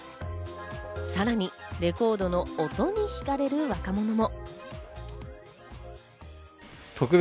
さらにレコードの音に惹かれる若者も。